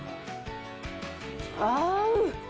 合う！